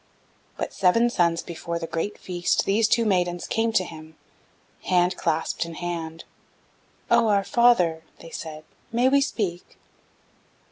"But seven suns before the great feast these two maidens came before him, hand clasped in hand. "'Oh! our father,' they said, 'may we speak?'